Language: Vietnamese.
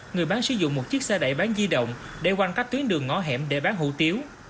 người bán sử dụng một chiếc xe đẩy bán di động để quanh các tuyến đường ngõ hẻm để bán hủ tiếu